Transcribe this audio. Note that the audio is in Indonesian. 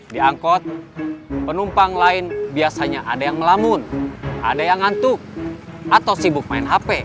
di angkot penumpang lain biasanya ada yang melamun ada yang ngantuk atau sibuk main hp